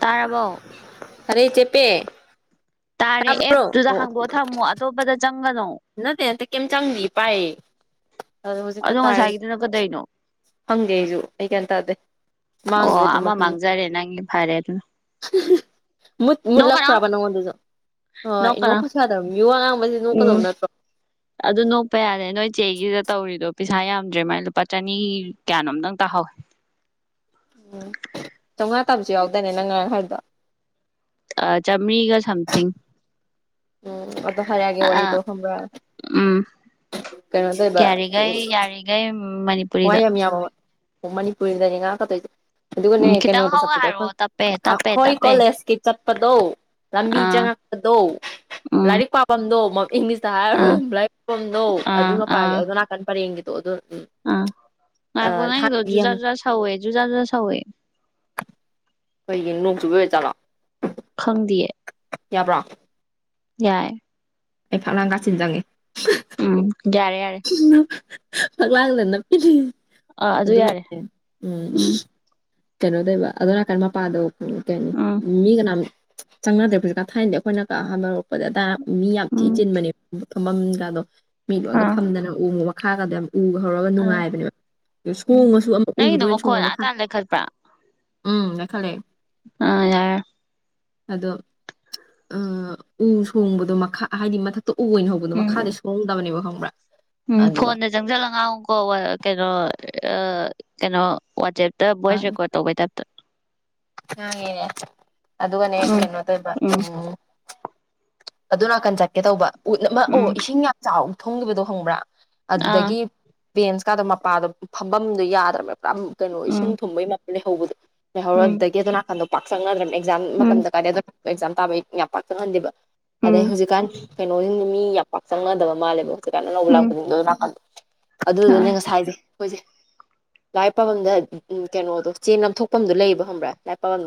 ꯇꯥꯔꯕꯥꯎ ꯑꯔꯦ ꯆꯄꯦ ꯁꯥꯕ꯭ꯔꯣ ꯑꯦꯞꯇꯨꯗ ꯍꯥꯡꯗꯣꯛꯑ ꯊꯝꯃꯣ ꯑꯇꯣꯞꯄꯗ ꯆꯪꯒꯅꯣ ꯅ ꯇꯅ ꯀꯝ ꯆꯥꯡꯂꯤ ꯄꯥꯏ ꯑꯗꯣ ꯉꯁꯥꯏꯒꯤꯗꯨꯅ ꯀꯗꯩꯅꯣ ꯍꯪꯒꯦ ꯑꯩꯁꯨ ꯑꯩ ꯀꯔꯤ ꯇꯗꯦ ꯑꯣ ꯃꯥꯡꯈ꯭ꯔꯦ ꯑꯗꯨ ꯑꯃ ꯃꯈꯜ ꯃꯥꯡꯖꯔꯦ ꯅꯪꯒꯤ ꯐꯔꯦ ꯑꯗꯨꯅ ꯨꯠ ꯅꯣꯛꯀꯅꯣ ꯃꯨꯠꯂꯛꯄ꯭ꯔꯕ ꯅꯉꯣꯟꯗꯨꯁꯨ ꯍꯣꯏ ꯅꯣꯛꯀꯅꯣ ꯅꯣꯛꯄ ꯁꯥꯗꯕ ꯌꯨ ꯑ ꯉꯥꯡꯕꯁꯤ ꯅꯣꯛꯀꯗꯕ ꯎꯝ ꯅꯠꯇ꯭ꯔꯣ ꯑꯗꯨ ꯅꯣꯛꯄ ꯌꯥꯔꯦ ꯅꯣꯏ ꯆꯦꯒꯤꯗ ꯇꯧꯔꯤꯗꯣ ꯄꯩꯁꯥ ꯌꯥꯝꯗ꯭ꯔꯦ ꯃꯥꯏꯅ ꯂꯨꯄꯥ ꯆꯅꯤ ꯀꯌꯥꯅꯣꯝꯇꯪ ꯇꯥꯍꯧꯋꯦ ꯎꯝ ꯆꯥꯝꯃꯉꯥ ꯇꯥꯕꯁꯨ ꯌꯥꯎꯗꯅꯦ ꯅꯪ ꯉꯔ ꯍꯥꯏꯗꯣ ꯑ ꯆꯃꯤꯔꯤꯒ ꯁꯝꯊꯤꯡ ꯎꯝ ꯑꯗꯣ ꯍꯥꯏꯔꯛꯑꯒꯦ ꯑꯥ ꯋꯥꯔꯤꯗꯣ ꯈꯪꯕ꯭ꯔꯥ ꯎꯝ ꯀꯩꯅꯣ ꯇꯧꯕ ꯎ ꯌꯥꯔꯤꯈꯩ ꯌꯥꯔꯤꯈꯩ ꯃꯅꯤꯄꯨꯔꯤꯗ ꯍꯌꯦꯝ ꯌꯥ ꯑꯣꯃꯅꯤ ꯄꯨꯏꯗꯅꯤꯉ ꯀ ꯇꯣꯏ ꯑꯗꯨꯒꯅꯦ ꯎꯝ ꯈꯤꯇꯪ ꯀꯩꯅꯣꯗ ꯍꯧꯅ ꯆꯠꯄꯗꯣ ꯍꯥꯏꯔꯛꯑꯣ ꯑꯩꯈꯣꯏ ꯇꯞꯄꯦ ꯇꯞꯄꯦ ꯑꯩꯈꯣꯏ ꯇꯞꯄꯦ ꯀꯣꯂꯦꯖꯀꯤ ꯆꯠꯄꯗꯣ ꯂꯝꯕꯤ ꯑꯥ ꯆꯪꯉꯛꯄꯗꯣ ꯎꯝ ꯂꯥꯏꯔꯤꯛ ꯄꯥꯐꯝꯗꯣ ꯏꯪꯂꯤꯁꯇ ꯑꯥ ꯍꯥꯏꯔꯣꯏ ꯂꯥꯏꯐꯝꯗꯣ ꯑꯗꯨ ꯃꯄꯥꯒꯤ ꯑꯗꯣ ꯅꯥꯀꯟ ꯄꯔꯦꯡꯒꯤ ꯑꯗꯨ ꯑ ꯑꯣ ꯊꯥꯡꯒꯤ ꯌꯥꯝꯅ ꯀꯗꯣꯖꯨꯖꯥꯖꯨꯖꯥ ꯁꯎꯏꯦꯖꯨꯖꯥꯖꯨꯖꯥ ꯁꯎꯦ ꯀꯩꯒꯤ ꯅꯣꯡ ꯆꯨꯕ ꯑꯣꯏꯖꯠꯂꯣ ꯈꯪꯗꯌꯦ ꯌꯥꯕ꯭ꯔꯣ ꯌꯥꯏ ꯑꯩ ꯈꯥꯅꯥꯒꯥꯁꯤꯟꯖꯉꯦ ꯎꯝ ꯌꯥꯔꯦ ꯌꯥꯔꯦ ꯐꯛꯂꯥꯡꯗ ꯅꯞꯄꯤ ꯑꯥ ꯑꯗꯨ ꯌꯥꯔꯦ ꯑꯗꯨꯒꯅꯦ ꯎꯝ ꯀꯩꯅꯣꯗꯕ ꯑꯗꯨꯗꯣ ꯅꯥꯀꯟ ꯃꯄꯥꯥꯟꯗ ꯎ ꯀꯅꯤ ꯎꯝ ꯃꯤ ꯀꯅꯥꯝ ꯆꯪꯅꯗ꯭ꯔꯦꯁꯨ ꯀꯊꯥꯏꯅꯗꯤ ꯑꯩꯈꯣꯏꯅ ꯀꯥ ꯍꯥꯔꯛꯄꯗ ꯑꯗꯥꯏ ꯃꯤ ꯌꯥꯝ ꯊꯤ ꯎꯝ ꯆꯤꯟꯕꯅꯦ ꯊꯃꯕꯥꯝ ꯒꯥꯏꯗꯣ ꯑꯥ ꯑꯗꯨ ꯎꯨ ꯃꯈꯥꯒꯗꯤ ꯎ ꯍꯧꯔꯒ ꯑꯥ ꯅꯨꯡꯉꯥꯏꯕꯅꯦꯕ ꯑꯗꯨ ꯎꯝ ꯁꯣꯡꯉꯁꯨ ꯑꯃ ꯎꯗ ꯅꯪꯒꯤꯗꯣ ꯑꯣꯏꯅ ꯃꯈꯣꯟ ꯁꯣꯡꯉ ꯑꯥ ꯃꯈꯜ ꯇꯥꯅ ꯂꯩꯈꯠꯄ꯭ꯔꯥ ꯎꯝ ꯅ ꯈꯜꯂꯦ ꯑꯥ ꯌꯥꯔꯦ ꯑꯗꯣ ꯎ ꯁꯣꯡꯕꯗꯣ ꯃꯈꯥ ꯍꯥꯏꯗꯤ ꯃꯊꯛ ꯇ ꯎ ꯑꯣꯏꯣꯏꯅ ꯍꯧꯕꯗꯣ ꯎꯝ ꯃꯈꯥꯗꯤ ꯁꯨꯍꯧꯗꯕꯅꯦꯕꯣ [inaudible] ꯎꯝ ꯐꯣꯟꯗ ꯆꯪꯁꯜꯂ ꯉꯥꯡꯨꯀꯣ ꯀꯩꯅꯣ ꯑ ꯀꯩꯅꯣ ꯋꯥꯆꯦꯞ ꯇꯣꯁꯔꯀꯣ ꯇꯧꯕ ꯅꯦꯅꯦ ꯑꯗꯨꯗꯨꯒꯅꯦ ꯎꯝ ꯍꯛꯇꯦꯅꯣ ꯃꯥ ꯎꯝ ꯑꯗꯨ ꯅꯥꯀꯟ ꯆꯠꯀꯦ ꯇꯧꯕ ꯎꯠ ꯑꯃ ꯑꯣ ꯎꯝ ꯏꯁꯤꯡ ꯌꯥꯝ ꯆꯥꯎ ꯊꯣꯡꯈꯤꯕꯗꯣ ꯍꯪꯕ꯭ꯔꯥ ꯑꯥ ꯑꯗꯨꯗꯒꯤ ꯕꯦꯟꯁꯀꯥꯟꯗ ꯃꯄꯥꯗꯣ ꯐꯝꯐꯝꯗꯨꯣ ꯌꯥꯗ꯭ꯔꯕꯃꯦꯕ ꯌꯥꯝ ꯀꯩꯅꯣ ꯏꯁꯤꯡ ꯎꯝ ꯊꯨꯝꯕꯩ ꯃꯅꯦ ꯍꯣ ꯍꯔ ꯎꯝ ꯑꯗꯨꯅꯅꯥ ꯄꯥꯛ ꯁꯪ ꯑꯗꯨ꯭ꯔꯅꯦ ꯑꯦꯛꯖꯥꯝ ꯎꯝ ꯃꯇꯝꯗ ꯀꯥꯔꯦ ꯑꯗꯨ ꯑꯦꯛꯖꯥꯝ ꯇꯥꯕꯩ ꯌꯥꯝ ꯄꯥꯛꯊꯣꯛꯍꯟꯗꯦꯕ ꯑꯗꯦ ꯎꯝ ꯍꯨꯖꯤ ꯀꯥꯟ ꯀꯩꯅꯣꯁꯤꯗꯨ ꯃꯤ ꯌꯥꯝ ꯄꯄꯥꯛ ꯆꯪꯅꯗꯕ ꯃꯥꯜꯂꯦꯕꯣ ꯀꯩꯅꯅ ꯅꯧ ꯎꯝ ꯂꯥꯛꯅꯥ ꯑꯥ ꯑꯗꯨꯗꯨꯅꯦ ꯉꯁꯥꯏꯁꯦ ꯑꯩꯈꯣꯏꯁꯦ ꯂꯥꯏ ꯄꯥꯐꯝꯝꯗ ꯀꯩꯅꯣꯗꯣ ꯆꯦ ꯅꯝꯊꯣꯛꯐꯝꯗꯣ ꯂꯩꯕ ꯈꯪꯕ꯭ꯔꯥ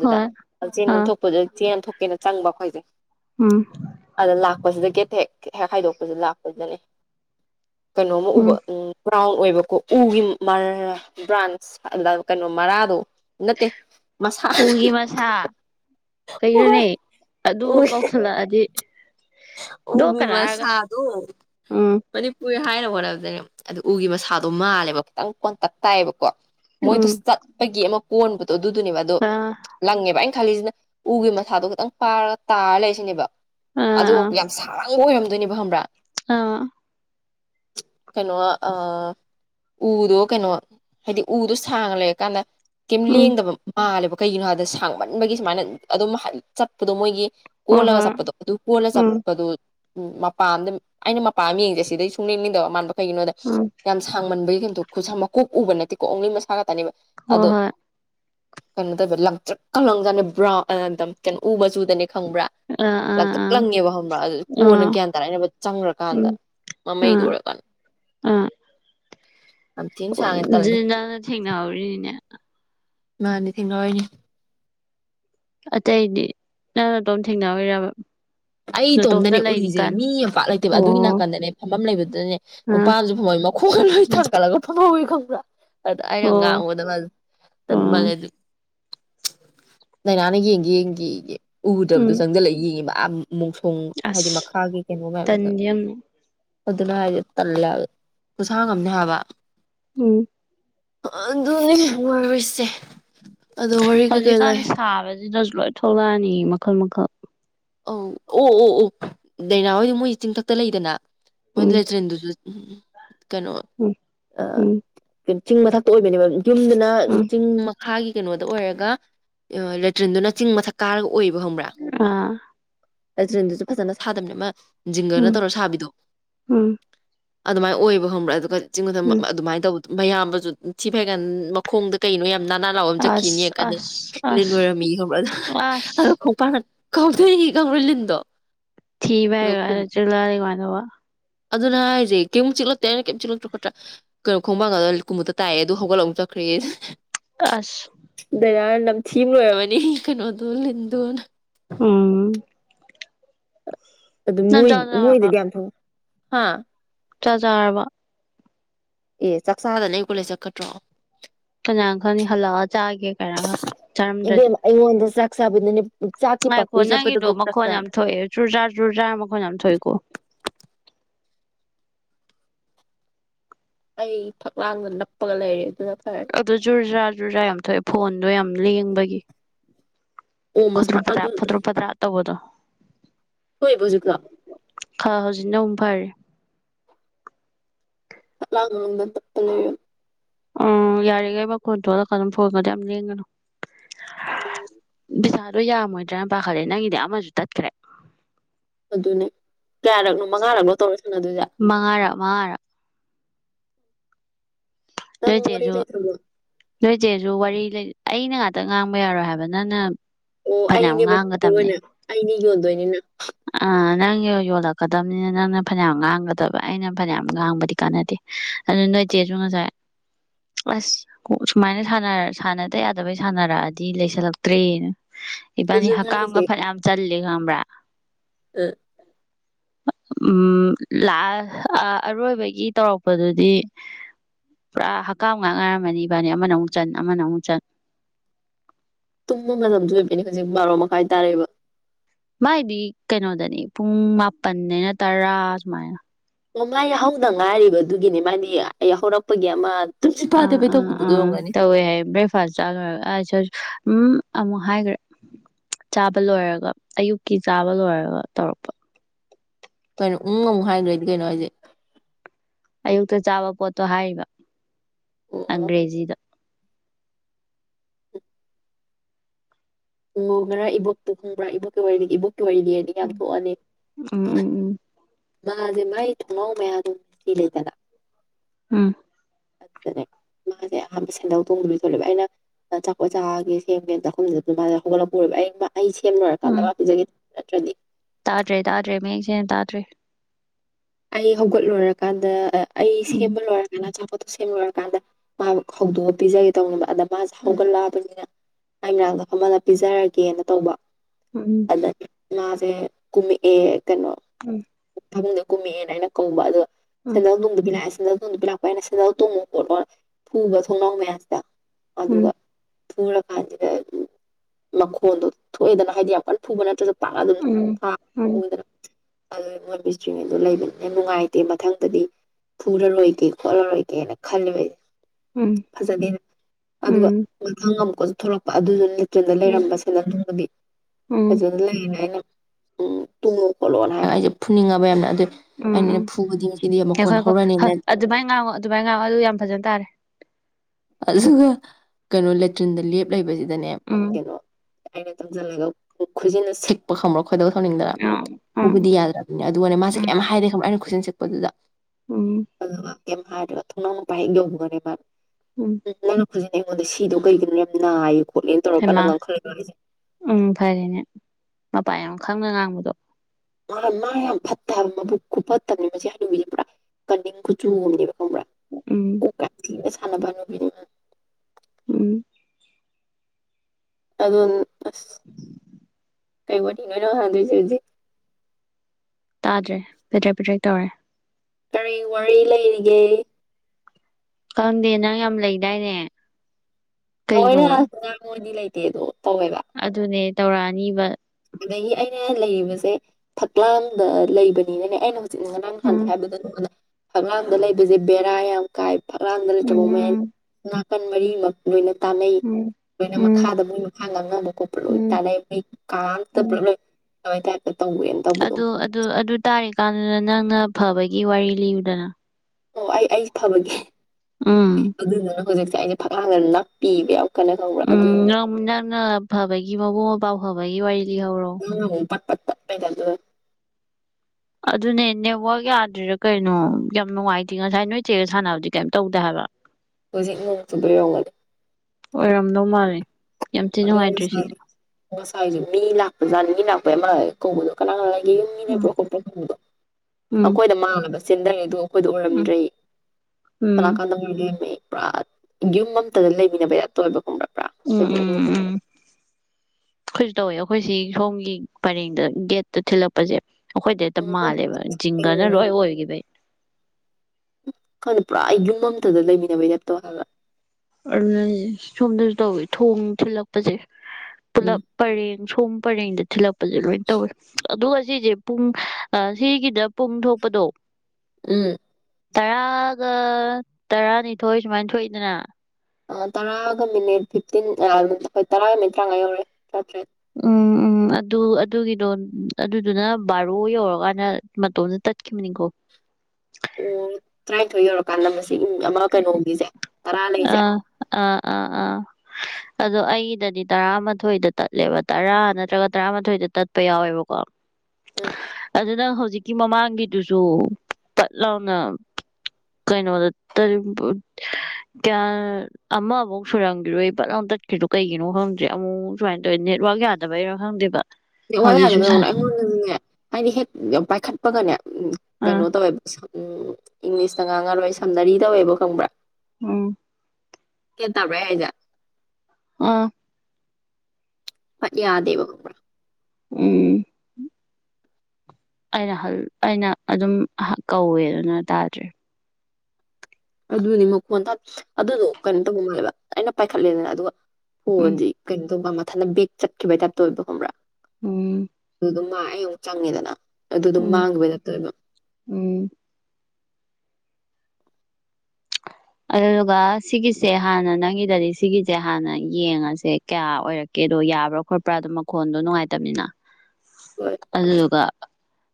ꯍꯣꯏ ꯑꯥ ꯅꯝꯊꯣꯛꯄꯗ ꯆ ꯀꯩꯅꯣ ꯆꯪꯕ ꯑꯩꯈꯣꯏꯁꯦ ꯎꯝ ꯑꯗ ꯂꯥꯛꯄꯁꯤꯗ ꯀꯦꯇ ꯍꯦꯛꯦ ꯍꯦꯛ ꯈꯥꯏꯗꯣꯛꯄꯁꯨ ꯂꯥꯛꯄꯁꯤꯅꯅꯦ ꯀꯩꯅꯣꯃ ꯎꯕ ꯎꯝ ꯥꯎꯟ ꯑꯣꯏꯕꯀꯣ ꯎꯒꯤ ꯕ꯭ꯔꯥꯟꯁ ꯀꯩꯅꯣ ꯃꯔꯥꯗꯣ ꯅꯠꯇꯦ ꯃꯁꯥ ꯎꯒꯤ ꯃꯁꯥ ꯍꯣꯏ ꯀꯩꯅꯣꯅꯤ ꯑꯗꯨꯕꯨ ꯀꯧꯁꯤꯜꯂꯛꯑꯗꯤ ꯎ ꯑꯣ ꯃꯤꯕꯁ ꯁꯥꯗꯣ ꯎꯝ ꯃꯅꯤ ꯄꯨ ꯊꯥꯏꯅ ꯍꯣꯠꯅꯕꯗꯅꯦ ꯑꯗꯨ ꯎꯒꯤ ꯃꯁꯥꯗꯣ ꯃꯥꯜꯂꯕ ꯈꯤꯇꯪ ꯀꯣꯟꯇꯛ ꯇꯥꯏꯑꯕ ꯀꯣ ꯃꯣꯏꯗ ꯎꯝ ꯆꯠꯄꯒꯤ ꯑꯃ ꯍꯣꯟ ꯑꯗꯨꯗꯨꯗꯨꯅꯤꯕꯗꯣ ꯑꯥ ꯂꯪꯉꯦ ꯥꯏ ꯈꯂꯤꯁꯤꯅ ꯎꯒꯤ ꯃꯊꯥꯗꯣ ꯈꯤꯇꯪ ꯄꯥꯔꯒ ꯇꯥꯔ ꯂꯩꯁꯤꯅꯦꯕ ꯑꯥ ꯑꯗꯣ ꯑꯥ ꯌꯥꯝ ꯁꯥꯕꯦ ꯈꯪꯕ ꯑꯣꯏꯔꯝꯗꯣꯏꯅꯦꯕ ꯍꯪꯕ꯭ꯔꯥ ꯑꯥ ꯀꯩꯅꯣ ꯎꯗꯣ ꯀꯩꯅꯣ ꯍꯥꯏꯗꯤ ꯎꯗꯣ ꯁꯥꯡꯉ ꯂꯩꯔꯀꯥꯟꯗ ꯀꯝ ꯂ ꯌꯦꯡꯗꯕꯝ ꯃꯥꯦ ꯀꯩꯒꯤꯅꯣ ꯍꯥꯏꯕꯗ ꯁꯥꯡꯃꯟꯕꯒꯤ ꯁꯨꯃꯥꯏꯅ ꯑꯗꯨꯝ ꯆꯠꯄꯗꯣ ꯃꯣꯏꯒꯤ ꯍꯣꯏ ꯀꯣꯂꯒ ꯍꯣꯏ ꯁꯞꯄ ꯑꯗꯨꯣ ꯑꯗꯨ ꯐꯣꯟ ꯅꯥ ꯆꯞꯄ ꯑꯗꯨ ꯎꯝ ꯃꯄꯥ ꯑꯗ ꯑꯩꯅ ꯃꯄꯥ ꯑꯃ ꯌꯦꯡꯁꯦ ꯁꯤꯗꯩ ꯁꯨꯡꯅꯤꯡꯦꯡꯅꯤꯡꯗꯕ ꯃꯥꯟꯅꯗꯕ ꯀꯩꯒꯤꯅꯣꯗ ꯌꯥꯝ ꯁꯥꯡꯃꯟꯕꯒꯤ ꯦꯟꯗꯣ ꯈꯨ ꯃꯀꯣꯛ ꯎꯕ ꯅꯠꯇꯦꯀꯣ ꯑꯣꯡꯂꯤ ꯃꯁꯥ ꯉꯛꯇꯇꯅꯦꯕ ꯍꯣꯏ ꯍꯣꯏ ꯀꯩꯅꯣ ꯇꯧ ꯂꯪꯆꯛꯀ ꯂꯪꯖꯅꯤ ꯕ꯭ꯔꯥꯎꯟ ꯀꯩꯅꯣ ꯎꯕ ꯆꯨꯗꯅꯦ ꯈꯪꯕ꯭ꯔꯥꯇ ꯑꯥ ꯑꯥ ꯂꯪꯉꯦꯕ ꯈꯪꯕ꯭ꯔꯥ ꯑꯗꯨ ꯑꯥ ꯀꯣꯟꯅ ꯑꯥ ꯒ꯭ꯌꯥꯟ ꯇꯥꯔꯛꯏꯅꯕ ꯆꯪꯉ꯭ꯔꯀꯥꯟꯗ ꯃꯃꯩꯗ ꯑꯣꯏꯔꯀꯥꯟꯗ ꯑꯣꯗꯥꯅ ꯊꯦꯡꯅ ꯍꯧꯔꯤꯅꯦ ꯃꯥꯅꯦ ꯊꯅ ꯑꯣꯏꯅꯦ ꯑꯇꯩꯗꯤ ꯅꯪꯅ ꯑ ꯑꯗꯨꯣꯝ ꯊꯦꯡꯅꯔꯣꯏꯔꯕ ꯑꯩ ꯏꯇꯣꯝꯇꯅꯦ ꯎꯏꯁꯦ ꯃꯤ ꯌꯥꯝꯄꯥꯛ ꯂꯩꯇꯦꯕ ꯑꯗꯨꯒꯤ ꯑꯣ ꯅꯥꯀꯟꯗꯅꯦ ꯃ ꯅꯦ ꯑꯥ ꯅꯨꯄꯥꯁꯨ ꯃꯍꯩ ꯃꯈꯣꯡ ꯂꯣꯏ ꯎꯝ ꯊꯀꯠꯂꯒ ꯐꯍꯧ ꯈꯪꯕ꯭ꯔꯥ ꯑꯗ ꯑꯩꯅ ꯑꯣ ꯉꯥꯡꯉꯗꯕ ꯆꯟ ꯃꯥꯜꯂꯦ ꯎꯝ ꯑꯗꯨ ꯅꯅꯥꯅꯦ ꯌꯦ ꯌꯦꯡ ꯌꯦ ꯌꯦꯡ ꯌꯦ ꯎꯗꯕꯗꯣ ꯎꯝ ꯆꯪꯜꯂꯒ ꯌꯦꯡꯉꯤꯕ ꯑ ꯃꯣꯡꯁꯣꯡ ꯍꯥꯏꯗꯤ ꯑꯁ ꯃꯈꯥꯒꯤ ꯀꯩꯅꯣ ꯃꯌꯥꯝꯗꯨꯗ ꯇꯟꯗꯤ ꯌꯥꯝꯅ ꯑꯗꯨꯅ ꯍꯥꯏꯗꯤꯦ ꯇꯜꯂꯦ ꯈꯨꯁꯥꯡꯉꯝꯅꯤ ꯍꯥꯏꯕ ꯎꯝ ꯑ ꯑꯗꯨꯅꯤ ꯁꯦ ꯑꯗꯣ ꯍꯣꯔ ꯀꯩꯀꯩ ꯂ ꯍꯧꯖꯤꯛꯀꯥꯟ ꯁꯥꯕꯁꯤꯗꯁꯨ ꯂꯣꯏ ꯊꯣꯛꯂꯛꯑꯅꯤ ꯃꯈꯜ ꯃꯈꯜ ꯑꯧ ꯑꯣ ꯑꯣ ꯑꯣ ꯗꯥꯏꯅꯥ ꯍꯣꯏꯗꯤ ꯃꯣꯏꯁꯦ ꯆꯤꯡꯊꯛꯇ ꯂꯩꯗꯅ ꯃꯣꯏ ꯎꯝ ꯂꯆ ꯔꯦꯟ ꯎꯝ ꯀꯩꯅꯣ ꯎꯝ ꯑ ꯎꯝ ꯆꯤꯡ ꯃꯊꯛꯇ ꯑꯣꯏꯕꯅꯦꯕ ꯌꯨꯝꯗꯅ ꯎꯝ ꯆꯤꯡ ꯃꯈꯥꯒꯤ ꯀꯩꯅꯣꯗ ꯑꯣꯏꯔꯒ ꯂꯦꯇ꯭ꯔꯤꯟꯗꯨꯅ ꯆꯤꯡ ꯃꯊꯛ ꯀꯥꯔꯒ ꯑꯣꯏꯕ ꯑꯥ ꯖꯟꯗꯨꯁꯨ ꯐꯖꯅ ꯁꯥꯗꯝꯅꯦꯃ ꯎꯝ ꯖꯤꯡꯒꯔꯅ ꯇꯧꯔ ꯁꯥꯕꯤꯗꯣ ꯎꯝ ꯑꯗꯨꯃꯥꯏꯅ ꯑꯣꯏꯕ ꯍꯧꯪꯕ꯭ꯔꯥ ꯑꯗꯨꯒ ꯆꯤꯡ ꯎꯝ ꯑꯗꯨꯃꯥꯏꯅ ꯇꯧꯕ ꯃꯌꯥꯝꯕꯁꯨ ꯁꯤ ꯐꯩꯒꯟ ꯃꯈꯣꯡꯗ ꯀꯩꯅꯣ ꯅꯅꯥ ꯂꯅꯥꯕꯝ ꯑꯁ ꯆꯠꯈꯤꯅꯤ ꯌꯦ ꯀꯥꯟꯗ ꯑꯁ ꯑꯁ ꯑꯣꯏꯣꯏꯔꯝꯃꯤ ꯈꯗ ꯑꯗꯨ ꯑꯁ ꯈꯣꯡꯄꯥ ꯀꯥꯎꯊꯣꯏ ꯀꯥꯎꯔ ꯂꯤꯟꯗꯣ ꯑꯗꯣ ꯊꯤꯕꯒ ꯆꯂꯔ ꯋꯥꯗꯕ ꯑꯗꯨꯅ ꯍꯥꯏꯁꯦ ꯀꯩꯝꯨꯛ ꯆꯤꯛꯂꯛꯇꯦꯅ ꯀꯔꯤꯝꯛ ꯆꯤꯛꯂꯛꯇ꯭ꯔꯣ ꯈꯣꯠꯇ꯭ꯔꯥ ꯀꯩꯅꯣ ꯈꯣꯡꯕꯥꯡꯒꯗ ꯀꯨꯝꯃꯨꯇ ꯇꯥꯏꯑꯦ ꯑꯗꯨ ꯍꯧꯒꯠꯂꯛꯨꯛ ꯆꯠꯈ꯭ꯔꯦ ꯑꯁ ꯅꯝ ꯊꯤꯕ ꯂꯣꯏꯔꯕꯅꯤ ꯀꯩꯅꯣꯗꯣ ꯂꯤꯟꯗꯣ ꯎꯝ ꯅꯪ ꯑꯗꯨꯣꯏ ꯆꯥꯛ ꯃꯣꯏꯗꯗꯤ ꯌꯥꯝ ꯊꯪꯉ ꯍꯥꯥ ꯆꯥꯖꯥꯔꯕ ꯑꯦ ꯆꯥꯛꯆꯥꯥꯗꯅ ꯑꯩ ꯀꯣꯂ ꯆꯠꯀꯗ꯭ꯔꯣ ꯀꯅꯥ ꯈꯛꯅꯤ ꯍꯜꯂꯛꯑ ꯆꯥꯒꯦ ꯀꯥꯏꯔꯒ ꯆꯥꯔꯝꯗ꯭ꯔꯗꯤ ꯁꯕꯗꯅꯦ ꯍꯥꯏꯈꯣ ꯅꯪꯒꯤꯗꯣ ꯃꯈꯣꯟ ꯌꯥꯝ ꯊꯣꯛꯑꯦ ꯆꯨꯔꯖꯥꯔ ꯆꯨꯔꯖꯥꯔ ꯃꯈꯣꯟ ꯌꯥꯝ ꯊꯣꯛꯑꯦꯀꯣ ꯑꯩ ꯐꯛꯂꯥꯡꯗ ꯅꯞꯄꯒ ꯂꯩꯔꯦ ꯑꯗꯨꯗ ꯑꯗꯨꯣ ꯖꯨꯔꯖꯥ ꯖꯨꯔꯖꯥ ꯌꯥꯝ ꯊꯣꯛꯑꯦ ꯐꯣꯟꯗꯣ ꯌꯥꯝ ꯂꯦꯡꯕꯒꯤ ꯑꯣ ꯃꯁꯥ ꯈꯨꯗ꯭ꯔꯨꯨꯞꯗ꯭ꯔ ꯑꯗꯨ ꯐꯨꯗ꯭ꯔꯨꯨꯞ ꯐꯗ꯭ꯔꯥ ꯇꯧꯕꯗꯣ ꯁꯣꯛꯏꯕ ꯍꯧꯖꯤꯛꯇꯣ ꯈ ꯍꯧꯖꯤꯛꯅ ꯑꯃꯨꯛ ꯐꯔ ꯑꯂꯗ ꯂꯩꯦ ꯎꯝ ꯌꯥꯔꯤꯈꯩ ꯃꯈꯣꯟ ꯇꯣꯂ ꯑꯗꯨꯝ ꯐꯣꯟꯒꯗꯤ ꯌꯥꯝ ꯂꯦꯡꯒꯅꯨ ꯎꯝ ꯄꯩꯁꯥꯗꯣ ꯌꯥꯝꯃꯣꯏꯗ꯭ꯔꯥꯅ ꯄꯥꯈꯠꯂꯦ ꯅꯪꯒꯤꯗꯤ ꯑꯃꯁꯨ ꯇꯠꯈ꯭ꯔꯦ ꯑꯗꯨꯅꯦ ꯀꯌꯥꯔꯛꯅꯣ ꯃꯉꯥꯔꯛꯅꯣ ꯇꯧꯔ ꯁꯅꯗꯣꯏꯁꯦ ꯃꯉꯥꯔꯛ ꯃꯉꯥꯔꯛ ꯅꯪ ꯋꯥꯔꯤ ꯂꯩꯇ꯭ꯔꯕꯣ ꯅꯣꯏ ꯆꯦꯁꯨ ꯋꯥꯔꯤ ꯑꯩꯅ ꯉꯥꯛꯇ ꯉꯥꯡꯕ ꯌꯥꯔꯣꯏ ꯍꯥꯏꯕ ꯅꯪꯅ ꯑꯣ ꯐꯅꯌꯥꯝ ꯑꯩꯅꯦꯕ ꯃꯔꯨ ꯉꯥꯡꯒꯗꯕꯅꯦ ꯑꯣꯏꯅ ꯑꯩꯅꯦ ꯌꯣꯟꯗꯣꯏꯅꯤꯅ ꯅꯪꯁꯨ ꯌꯣꯜꯂꯛꯀꯗꯕꯅꯤꯅ ꯅꯪꯅ ꯐꯅꯌꯥꯝ ꯉꯥꯡꯒꯗꯕ ꯑꯩꯅ ꯐꯅꯌꯥꯝ ꯉꯥꯡꯕꯗꯤ ꯀꯥꯟꯅꯗꯦ ꯑꯗꯨ ꯅꯣꯏ ꯆꯦꯁꯨ ꯉꯁꯥꯏ ꯑꯁ ꯁꯨꯃꯥꯏꯅ ꯁꯥꯟꯅꯗ ꯌꯥꯗꯕꯩ ꯁꯥꯟꯅꯔꯛꯑꯗꯤ ꯂꯩꯁꯜꯂꯛꯇ꯭ꯔꯦꯅ ꯏꯕꯥꯅꯤ ꯑꯗꯨꯅ ꯍꯛꯀꯥꯝꯒ ꯐꯅꯌꯥꯝ ꯌꯥꯝ ꯆꯠꯂꯦ [unintelligible] ꯎꯝ ꯎꯝ ꯑꯔꯣꯏꯕꯒꯤ ꯇꯧꯔꯛꯄꯗꯨꯗꯤ ꯄꯨꯔꯥ ꯍꯛꯀꯥꯝ ꯉꯥꯛ ꯉꯥꯏꯔꯝꯃꯅꯤ ꯏꯕꯥꯅꯤ ꯑꯃꯅ ꯑꯃꯨꯛ ꯆꯟ ꯑꯃꯅ ꯑꯃꯨꯛ ꯆꯟ ꯇꯨꯝꯕ ꯃꯇꯝꯗ ꯑꯣꯏꯕꯅꯤ ꯍꯧꯖꯤꯛ ꯕꯥꯔꯣ ꯃꯈꯥꯏ ꯇꯥꯔꯦꯕ ꯃꯥꯏꯗꯤ ꯀꯩꯅꯣꯗꯅꯤ ꯄꯨꯡ ꯃꯥꯄꯟꯗꯩꯅ ꯇꯔꯥ ꯁꯨꯃꯥꯏꯅ ꯑꯣ ꯃꯥꯏ ꯌꯥꯍꯧꯗ ꯉꯥꯏꯔꯤꯕ ꯑꯗꯨꯒꯤꯅꯤ ꯃꯥꯗꯤ ꯌꯥ ꯍꯧꯔꯛꯄꯒꯤ ꯑꯃ ꯇꯨꯝꯁꯤꯠ ꯑ ꯐꯥꯗꯕꯩ ꯑꯥ ꯇꯧꯕꯗꯨꯗꯣ ꯑꯥ ꯑꯣꯏꯔꯝꯒꯅꯤ ꯇꯧꯋꯦ ꯕ꯭ꯔꯦꯛꯐꯥꯁ ꯆꯥ ꯂꯣꯢꯔꯒ ꯎꯝ ꯑꯃꯨꯛ ꯍꯥꯏꯈ꯭ꯔꯦ ꯆꯥꯕ ꯂꯣꯏꯔꯒ ꯑꯌꯨꯛꯀꯤ ꯆꯥꯕ ꯂꯣꯏꯔꯒ ꯇꯧꯔꯛꯄ ꯀꯩꯅꯣ ꯎꯪ ꯑꯃꯨꯛ ꯍꯥꯏꯈ꯭ꯔꯣꯏꯗꯤ ꯀꯩꯅꯣ ꯍꯥꯏꯁꯦ ꯑꯌꯨꯛꯇ ꯆꯥꯕ ꯄꯣꯠꯇꯣ ꯍꯥꯏꯔꯤꯕ ꯑꯣ ꯑꯪꯒ꯭ꯔꯦꯖꯤꯗ ꯎꯉ ꯉꯔꯥ ꯏꯕꯣꯛꯇꯨ ꯈꯪꯕ꯭ꯔꯥ ꯏꯕꯣꯛꯀꯤ ꯋꯥꯔꯤꯗꯤ ꯏꯕꯣꯛ ꯀꯣꯏꯅꯦꯅꯤ ꯌꯥꯝ ꯊꯣꯛꯑꯅꯤ ꯎꯝ ꯎꯝ ꯎꯝ ꯃꯥꯁꯦ ꯃꯥꯏ [unintelligible] ꯎꯝ ꯑꯗꯨꯗꯅꯦ ꯃꯥꯁꯦ ꯑꯍꯥꯟꯕ ꯁꯦꯟꯗꯜ ꯇꯣꯡꯗꯕꯤ ꯊꯣꯛꯂꯦꯛꯑꯦꯕ ꯑꯩꯅ ꯆꯑꯆꯥꯄꯣꯠ ꯆꯥꯒꯤ ꯁꯦꯝꯒꯦ ꯆꯥꯛꯈꯨꯝꯗ ꯃꯥꯁꯦ ꯍꯧꯒꯠꯂꯛꯄ [unintelligible] ꯑꯩ ꯁꯦꯝ ꯂꯣꯢꯔꯀꯥꯟꯗ ꯎꯝ ꯃꯥ ꯄꯤꯖꯒꯦ ꯅꯠꯇ꯭ꯔꯗꯤ ꯇꯥꯗ꯭ꯔꯦ ꯇꯥꯗ꯭ꯔꯦ ꯃꯌꯦꯛ ꯁꯦꯡꯅ ꯇꯥꯗ꯭ꯔꯦ ꯑꯩ ꯍꯧꯒꯠꯂꯨꯔꯀꯥꯟꯗ ꯑꯩ ꯎꯝ ꯁꯦꯝꯕ ꯂꯣꯏꯔꯒꯅ ꯄꯣꯠꯇꯣ ꯁꯦꯝ ꯂꯣꯏꯔꯀꯥꯟꯗ ꯃꯥ ꯍꯧꯗꯣꯛꯑꯒ ꯄꯤꯖꯒꯦ ꯇꯧꯅꯕ ꯑ ꯃꯥꯁꯦ ꯎꯝ ꯍꯧꯒꯂꯑꯕꯅꯤꯅ ꯃꯥꯢ ꯃꯅꯥꯛꯇ ꯐꯝꯃꯒ ꯄꯤꯖꯔꯒꯦꯅ ꯇꯧꯕ ꯎꯝ ꯎꯝ ꯑꯗ ꯃꯥꯁꯦ ꯀꯨꯝꯃꯛꯑꯦ ꯀꯩꯅꯣ ꯎꯝ ꯑ [inaudible] ꯀꯨꯝꯃꯦꯅ ꯍꯥꯏꯅ ꯀꯧꯕ ꯑꯗꯣ ꯎꯝ ꯁꯦꯟꯗꯜ ꯇꯣꯡꯗꯕꯤ ꯂꯥꯛꯑꯦ ꯁꯦꯟꯗꯦꯜ ꯊꯣꯡꯗ ꯄꯤ ꯂꯥꯛꯄ ꯑꯩꯅ ꯁꯦꯟꯗꯜ ꯇꯣꯡꯉꯣ ꯈꯣꯠꯂꯣ ꯐꯨꯕ ꯊꯣꯡꯅꯥꯎ ꯃꯌꯥꯝꯁꯤꯗ ꯎꯝ ꯑꯗꯨꯒ ꯊꯨꯔ ꯀꯥꯟꯁꯤꯗ ꯃꯈꯣꯟꯗꯣ ꯊꯣꯛꯑꯦꯗꯅ ꯍꯥꯏꯗꯤ ꯌꯥꯝ ꯀꯜ ꯐꯨꯕ ꯅꯠꯇ꯭ꯔꯒ ꯎꯝ ꯍ ꯑꯗꯨ ꯏ ꯔꯤꯉꯗꯣ ꯂꯩꯕꯅꯤꯅ ꯅꯨꯡꯉꯥꯏꯇꯦ ꯃꯊꯪꯗꯗꯤ ꯐꯨꯔꯔꯣꯏꯒꯦ ꯈꯣꯠꯂꯔꯣꯏꯒꯦꯅ ꯈꯂꯕ ꯑꯩ ꯎꯝ ꯐꯖꯅꯦꯅ ꯑꯗꯨꯒ ꯃꯊꯪ ꯑꯃ ꯀꯊꯂ ꯄꯥ ꯑꯗꯨꯗꯨ ꯀꯆꯗ ꯎꯝ ꯂꯩꯔꯝꯕ ꯁꯤꯅꯗꯤ ꯎꯝ ꯑꯗꯨꯖꯅ ꯂꯩꯌꯦꯅ ꯑꯩꯅ ꯎꯝ ꯇꯨꯡꯉꯣ ꯈꯣꯠꯂꯣꯅ ꯑꯩꯁꯦ ꯐꯨꯅꯤꯡꯉꯕ ꯌꯥꯝꯅ ꯑꯗꯨ ꯎꯝ ꯑꯩꯅ ꯎꯝ ꯐꯨꯕꯗꯤ ꯉꯁꯤꯗꯤ ꯃꯈꯣꯟ ꯌꯥꯈꯣꯏꯈꯣ ꯍꯣꯏ ꯍꯧꯔꯅꯤꯅ ꯑꯗꯨꯃꯥꯏꯅ ꯉꯥꯡꯉꯣ ꯑꯗꯨꯃꯥꯏꯅ ꯉꯥꯡꯉꯑꯣ ꯑꯗꯨ ꯌꯥꯝ ꯐꯖꯅ ꯇꯥꯔꯦ ꯑꯗꯨꯒ ꯀꯩꯅꯣ ꯂꯦꯇ꯭ꯔꯤꯟꯗ ꯂꯦꯞ ꯂꯩꯕꯁꯤꯗ ꯑꯗꯨꯅꯦ ꯎꯝ ꯀꯩꯅꯣ ꯑꯩꯅ ꯇꯧꯁꯤꯜꯂꯒ ꯈꯨꯖꯤꯟꯅ ꯁꯛꯄ ꯈꯝꯔꯛꯄ ꯑꯩꯈꯣꯏꯗꯧ ꯊꯧꯅꯤꯡꯗꯅ ꯎꯝ ꯎꯝ ꯐꯨꯕꯗꯤ ꯌꯥꯗ꯭ꯔꯕꯅꯤ ꯑꯗꯨ ꯑꯣꯏꯅꯦ ꯃꯥꯁꯦ ꯎꯝ ꯀ ꯍꯥꯏꯗꯔꯦꯃꯥꯏ ꯈꯨꯁꯤꯟ ꯆꯤꯛꯄꯗꯨꯗ ꯎꯝ ꯑꯗꯒ ꯀꯩꯝ ꯍꯥꯏꯗ꯭ꯔꯒ ꯊꫭꯡꯅꯧ ꯃꯥꯄꯥ ꯍꯦꯛ ꯌꯧꯕꯒꯅꯦꯕ ꯎꯝ [unintelligible] ꯍꯧꯖꯤꯛꯅ ꯑꯩꯉꯣꯟꯗ ꯁꯤꯗꯣ ꯀꯩꯒꯤꯅꯣ ꯌꯥꯝ ꯅꯥꯏꯌꯦꯀꯣ ꯍꯩꯃꯥ ꯎꯝ ꯐꯔꯅꯦ ꯄꯥꯌꯥꯝ ꯈꯪꯅ ꯉꯥꯡꯕꯗꯣ ꯃꯥ ꯃꯥ ꯌꯥꯝ ꯐꯠꯇꯕ ꯃꯕꯨꯛ ꯈꯨꯐꯠꯇꯕꯅꯦ ꯃꯁꯤ ꯍꯅꯨꯕꯤꯁꯦ ꯄꯨꯔꯥ ꯀꯅꯤꯡ ꯈꯨꯆꯨ ꯑꯃꯅꯦꯕ ꯈꯪꯕ꯭ꯔꯥ ꯎꯝ ꯀꯣꯛꯀ ꯌꯥꯝ ꯊꯤꯅ ꯁꯥꯟꯅꯕ [unintelligible] ꯎꯝ ꯑꯥꯗꫭ [inaudible] ꯀꯩ ꯋꯥꯔꯤꯅꫭ ꯁꯥꯟꯅꯗꫭꯏꯖꯦ ꯍꯧꯖꯤꯛ ꯇꯥꯗ꯭ꯔꯦ ꯄꯦꯗ꯭ꯔꯦꯛ ꯄꯦꯗ꯭ꯔꯦꯛ ꯇꯧꯔꯦ ꯀꯔꯤ ꯋꯥꯔꯤ ꯂꯩꯔꯤꯒꯦ ꯈꯪꯗꯦ ꯅꯪ ꯌꯥꯝ ꯂꯩꯗꯥꯏꯅꯦ ꯊꯣꯏꯋꫭꯏꯅ ꯀꯩꯅꯣ [unintelligible] ꯉꯥꯡꯉꫭꯗꯤ ꯂꯩ ꯇꯦꯗꯣ ꯑꯗꯨꯅꯦ ꯇꯧꯔꯛꯑꯅꯤꯕ ꯑꯗꯒꯤ ꯑꯩꯅ ꯂꯩꯔꯤꯕꯁꯦ ꯐꯛꯂꯥꯝꯗ ꯂꯩꯕꯅꯤꯅꯅꯦ ꯑꯩꯅ ꯉꯔꯥꯡ ꯅꯍꯥꯟꯗ ꯎꯝ ꯍꯥꯏꯕꯗꫭ ꯐꯛꯂꯡꯗꯥ ꯂꯩꯕꯁꯦ ꯕꯦꯔꯥ ꯌꯥꯝ ꯀꯥꯏꯕ ꯐꯛꯂꯡꯗ ꯂꯩꯇꯕꯥꯎ ꯎꯝ ꯃ [unintelligible] ꯀꯟ ꯃꯔꯤꯃꯛ ꯂꯣꯏꯅ ꯇꯥꯟꯅꯩ ꯎꯝ ꯂꯣꯏꯅ ꯎꯝ ꯃꯈꯥꯗ ꯃꯣꯏ ꯃꯈꯥ ꯉꯥꯡꯉꯅꯕ ꯈꯣꯠꯄ ꯂꯣꯏ ꯎꯝ ꯇꯥꯟꯅꯩ ꯃꯣꯏ ꯀꯥꯑꯝꯇ ꯎꯝ ꯄꯨꯂꯞ ꯇꯕꯩ ꯇꯥꯏꯝ ꯇ ꯑꯗꯨ ꯑꯗꯨ ꯑꯗꯨ ꯇꯥꯔꯤꯀꯥꯟꯗꯨꯗ ꯅꯪꯅ ꯐꯕꯒꯤ ꯋꯥꯔꯤ ꯂꯤꯌꯨꯗꯅ ꯑꯣ ꯑꯩ ꯑꯩ ꯐꯕꯒꯤꯦ ꯎꯝ ꯍꯧꯖꯤꯛꯁꯦ ꯑꯩꯖꯦ ꯐꯛꯂꯡꯗ ꯅꯥꯞꯄꯤꯕ ꯌꯥꯝ ꯀꯟꯅ ꯈꯪꯕ꯭ꯔꯥ ꯑꯗꯨ ꯎꯝ ꯅꯪ ꯅꯪꯅ ꯐꯕꯒꯤ ꯃꯕꯨ ꯄꯥꯎ ꯐꯕꯒꯤ ꯋꯥꯔꯤ ꯂꯤꯍꯧꯔꯣ ꯎ ꯄꯠꯇ ꯄꯩ ꯆꯗ ꯑꯗꯨꯅꯦ ꯅꯦꯠꯋꯥꯛ ꯌꯥꯗ꯭ꯔꯤꯔꯥ ꯀꯩꯅꯣ ꯌꯥꯝ ꯅꯨꯡꯉꯥꯏꯇꯦ ꯉꯁꯥꯏ ꯅꯣꯏ ꯆꯦꯛꯒ ꯁꯥꯟꯅꯕꯗꯤ ꯀꯩꯝ ꯇꯧꯗꯦ ꯍꯥꯏꯕ ꯍꯧ ꯁꯨꯄ꯭ꯔꯌꯣꯒ ꯑꯣꯏꯔꯝꯗꯧ ꯃꯥꯜꯂꯦ ꯌꯥꯝ ꯊꯤ ꯅꯨꯡꯉꯥꯏꯇ꯭ꯔꯦ ꯁꯤꯗꯤ ꯁꯦ ꯃꯤ ꯂꯥꯛꯄ ꯖꯥꯠ ꯃꯤ ꯂꯥꯛꯄꯩ ꯑꯃ ꯀꯧꯕꯗꯣ ꯀꯅꯥꯅꯥ ꯌꯨꯝ ꯃꯤꯅꯦꯕꯣ ꯎꯝ ꯈꯣꯠꯄꯗꯣ ꯎꯝ ꯑꯩꯈꯣꯏꯗ ꯃꯥꯡꯂꯕꯁꯦ ꯆꯗꯦꯜꯗꯨ ꯑꯩꯈꯣꯏꯗ ꯎꯝ ꯑꯣꯏꯔꯝꯗ꯭ꯔꯦ ꯎꯝ ꯁꯂꯥꯛꯀꯥꯟꯗ ꯑꯣꯏꯔꯝꯃꯦ ꯄꯨꯔꯥ ꯌꯨꯝ ꯑꯃꯝꯇꯗ ꯂꯩꯃꯤꯟꯅꯕ ꯌꯥꯝ ꯇꯣꯏꯕ ꯈꯣꯡꯗꯛ ꯑꯣ ꯎꯝ ꯎꯝ ꯑꯩꯈꯣꯏꯁꯨ ꯇꯧꯋꯦ ꯑꯩꯈꯣꯏꯁꯤ ꯁꯣꯝꯒꯤ ꯄꯔꯦꯡꯗ ꯒꯦꯠꯇ ꯊꯤꯜꯂꯛꯄꯁꯦ ꯑꯩꯈꯣꯏꯗ ꯍꯦꯛꯇ ꯃꯥꯜꯂꯦꯕ ꯖꯤꯡꯒꯅ ꯎꯝ ꯂꯣꯏ ꯑꯣꯏꯈꯤꯕꯩ ꯈꯣꯏ ꯄꯨꯔꯥ ꯌꯨꯝ ꯑꯃꯝꯇꯗ ꯂꯩꯃꯤꯟꯅꯕꯩ ꯂꯦꯞꯇꯣ ꯍꯥꯏꯕ ꯑꯗꯨ ꯁꯣꯝꯗꯁꯨ ꯇꯧꯋꯤ ꯊꯣꯡ ꯊꯤꯜꯂꯛꯄꯁꯦ ꯎꯝ ꯄꯨꯂꯞ ꯄꯔꯦ ꯁꯣꯝ ꯄꯔꯗ ꯆꯂꯞ ꯂꯣꯏꯅ ꯇꯧꯋꯦ ꯑꯗꯨꯒ ꯁꯤꯁꯦ ꯄꯨꯡ ꯁꯤꯒꯤꯗ ꯄꯨꯡ ꯊꯣꯛꯄꯗꯣ ꯎꯝ ꯇꯔꯥꯒ ꯇꯔꯥꯅꯤꯊꯣꯏ ꯁꯨꯃꯥꯏꯅ ꯊꯣꯛꯏꯗꯅ ꯇꯔꯥꯒ ꯃꯤꯅꯤꯠ ꯐꯤꯞꯇꯤꯟ ꯍꯣꯏ ꯇꯔꯥꯒ ꯃꯤꯅꯤꯠ ꯇꯔꯥꯉꯥ ꯌꯧꯔꯦ ꯆꯇ꯭ꯔꯦ ꯎꯝ ꯎꯝ ꯑꯗꯨ ꯑꯗꯨꯒꯤꯗꯣ ꯑꯗꯨꯗꯨꯅ ꯕꯥꯔꯣ ꯌꯧꯔꯀꯥꯟꯗ ꯃꯇꯣꯝꯗ ꯇꯠꯈꯤꯕꯅꯤꯀꯣ ꯎ ꯇꯔꯥꯅꯤꯊꯣꯏ ꯌꯧꯔꯀꯥꯟꯗ ꯃꯁꯤ ꯑꯃ ꯀꯩꯅꯣꯒꯤꯁꯦ ꯇꯔꯥ ꯂꯩꯁꯦ ꯑꯥ ꯑꯥ ꯑꯥ ꯑꯥ ꯑꯗꯣ ꯑꯩꯒꯤꯗꯗꯤ ꯇꯔꯥꯃꯥꯊꯣꯏꯗ ꯇꯠꯂꯦꯕ ꯇꯔꯥ ꯅꯠꯇ꯭ꯔꯒ ꯇꯔꯥꯃꯥꯊꯣꯏꯗ ꯇꯠꯄ ꯌꯥꯎꯋꯦꯕꯀꯣ ꯎ ꯑꯗꯨ ꯅꯪ ꯍꯧꯖꯤꯛꯀꯤ ꯃꯃꯥꯡꯒꯤꯗꯨꯁꯨ ꯄꯠ ꯂꯥꯎꯅ ꯀꯩꯅꯣꯗ ꯀꯌꯥ ꯑꯃꯐꯧꯛ ꯁꯣꯏꯨꯔꯝꯈꯤꯔꯣꯏ ꯄꯠꯂꯥꯎ ꯇꯠꯈꯤꯗꯣ ꯀꯩꯒꯤꯅꯣ ꯈꯪꯗ꯭ꯔꯦ ꯑꯃꯨꯛ ꯁꯨꯃꯥꯏꯅ ꯇꯧꯋꯦ ꯅꯦꯠꯋꯔꯥꯛ ꯌꯥꯗꯕꯩꯔꯣ ꯈꯪꯗꯦꯕ ꯋꯥꯔ ꯍꯧꯖꯤꯛꯁꯨ ꯁꯥꯏ ꯑꯗꯨꯕꯅ ꯍꯥꯏꯗꯤ ꯍꯦꯛ ꯌꯥꯝ ꯄꯥꯏꯈꯠꯄꯒꯅꯦ ꯎꯝ ꯀꯩꯅꯣ ꯑꯥ ꯇꯧꯥꯏ ꯎꯝ ꯏꯪꯂꯤꯁꯇ ꯉꯥꯡꯉ ꯂꯣꯏ ꯑꯩ ꯁꯝꯅꯔꯤ ꯇꯧꯋꯦꯕ ꯈꯪꯕ꯭ꯔꯥ ꯑꯝ ꯀꯦ ꯇꯕ꯭ꯔꯦ ꯍꯥꯏꯖ ꯑꯥ ꯐ ꯌꯥꯗꯦꯕ ꯀꯔ ꯎꯝ ꯑꯩꯅ ꯑꯩꯅ ꯑꯗꯨꯝ ꯀꯧꯋꯦ ꯑꯗꯨꯅ ꯇꯥꯗ꯭ꯔꯔꯤ ꯑꯗꯨꯅꯤ ꯃꯈꯣꯟ ꯑꯗꯨꯗꯣ ꯀꯩꯅꯣ ꯇꯧꯕ ꯃꯥꯜꯂꯦꯕ ꯑꯩꯅ ꯄꯥꯏꯈꯠꯂꯦꯗꯅ ꯑꯗꯨꯒ ꯎꯝ [unintelligible] [unintelligible] ꯕꯦꯛ ꯆꯠꯈꯤꯕ ꯇꯥꯏꯞꯇ ꯇꯧꯑꯦꯕ ꯈꯪꯕ꯭ꯔꯥ ꯎꯝ [unintelligible] ꯑꯩ ꯑꯃꯨꯛ ꯆꯪꯉꯤꯗꯅ ꯑꯗꯨ ꯑꯗꯨꯝ ꯎꯝ ꯃꯥꯡꯒꯤꯕꯩ ꯇꯥꯏ꯭ꯄ ꯇꯧꯑꯦꯕ ꯎꯝ ꯑꯗꯨꯗꯨꯒ ꯁꯤꯒꯤꯁꯦ ꯍꯥꯟꯅ ꯅꯪꯒꯤꯗꯗꯤ ꯁꯤꯒꯤꯁꯦ ꯍꯥꯟꯅ ꯌꯦꯡꯉꯁꯦ ꯀꯌꯥ ꯑꯣꯏꯔꯛꯀꯦꯗꯣ ꯌꯥꯕ꯭ꯔꯥ ꯈꯣꯠꯄ꯭ꯔꯥ ꯑꯗꯨ ꯃꯈꯣꯟꯗꯣ ꯅꯨꯡꯉꯥꯏꯇꯝꯅꯤꯅ ꯍꯣꯏ ꯑꯗꯨꯗꯨꯒ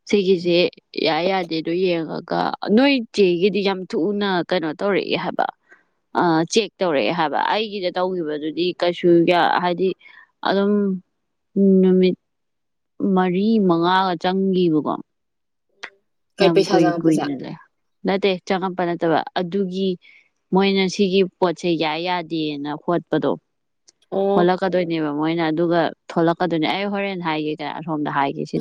ꯁꯤꯒꯤꯁꯦ ꯌꯥꯏ ꯌꯥꯗꯦꯗꯣ ꯌꯦꯡꯉꯒ ꯅꯣꯏ ꯆꯦꯒꯤꯗꯤ ꯌꯥꯝ ꯊꯨꯅ ꯀꯩꯅꯣ ꯇꯧꯔꯤ ꯍꯥꯏꯕ ꯆꯦꯛ ꯇꯧꯔꯛꯑꯦ ꯍꯥꯏꯕ ꯑꯩꯒꯤꯗ ꯇꯧꯈꯤꯕꯗꯨꯗꯤ ꯀꯩꯁꯨ ꯍꯥꯏꯗꯤ ꯑꯗꯨꯝ ꯅꯨꯃꯤꯠ ꯃꯔꯤ ꯃꯉꯥꯒ ꯆꯪꯈꯤꯕꯀꯣ ꯀꯩ ꯌꯥꯝ ꯄꯩꯁꯥ ꯀꯨꯏ ꯆꯪꯉꯛꯄꯁꯦ ꯀꯨꯏꯅ ꯂꯩ ꯅꯠꯇꯦ ꯆꯪꯉꯛꯄ ꯅꯠꯇꯕ ꯑꯗꯨꯒꯤ ꯃꯣꯏꯅ ꯁꯤꯒꯤ ꯄꯣꯠꯁꯦ ꯌꯥꯏ ꯌꯥꯗꯦꯅ ꯍꯣꯠꯄꯗꯣ ꯑꯣ ꯍꯣꯠꯂꯛꯀꯗꯣꯏꯅꯦꯕ ꯃꯣꯏꯅ ꯑꯗꯨꯒ ꯊꯣꯛꯂꯛꯀꯗꯨꯅꯤ ꯑꯩ ꯍꯣꯔꯦꯟ ꯍꯥꯏꯒꯦꯗ ꯑꯔꯣꯝꯗ ꯍꯥꯏꯒꯦ ꯁꯤ